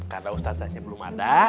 karena ustazannya belum ada